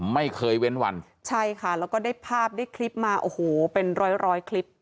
ไม่เคยเว้นวันใช่ค่ะแล้วก็ได้ภาพได้คลิปมาโอ้โหเป็นร้อยร้อยคลิป